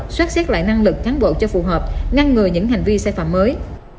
soát xét lại năng lực cán bộ cho phù hợp ngăn ngừa những hành vi sai phạm mới